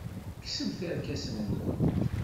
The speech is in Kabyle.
Kksemt irkasen-nwent.